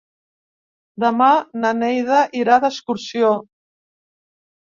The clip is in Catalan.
Demà na Neida irà d'excursió.